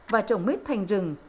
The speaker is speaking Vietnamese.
và trồng mít thành rừng